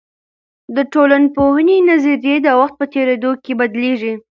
د ټولنپوهني نظريې د وخت په تیریدو کې بدلیږي.